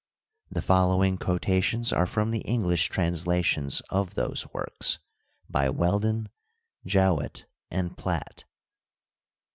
The following quotations are from the English trans 202 ARISTOTLE 203 lations of those works by Welldon, Jowett, and Piatt.